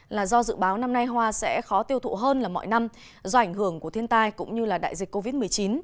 là do dự báo năm nay hoa sẽ khó tiêu thụ hơn là mọi năm do ảnh hưởng của thiên tai cũng như đại dịch covid một mươi chín